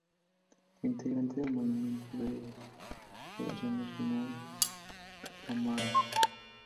Fue integrante del movimiento Movimiento de Liberación Nacional-Tupamaros.